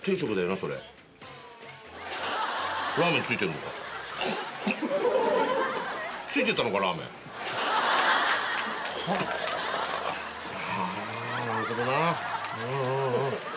なるほどなぁ。